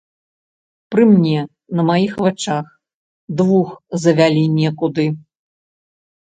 Пры мне, на маіх вачах двух завялі некуды.